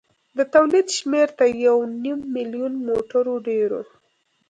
د تولید شمېر تر یو نیم میلیون موټرو ډېر و.